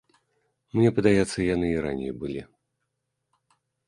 Мне падаецца, яны і раней былі.